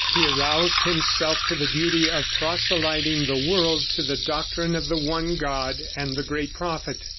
He aroused himself to the duty of proselyting the world to the doctrine of the One God and the Great Prophet.